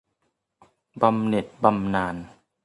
บำเหน็จบำนาญ